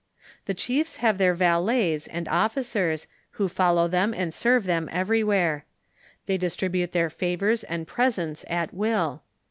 The chiefs have their valets and of ficers, who follow them and serve them everywhere. They distribute their favors and presents at will.